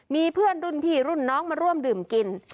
มีเพื่อนรุ่นพี่รุ่นน้องมาร่วมดื่มกิน